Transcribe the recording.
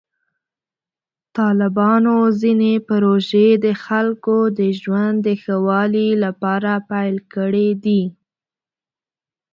طالبانو ځینې پروژې د خلکو د ژوند د ښه والي لپاره پیل کړې دي.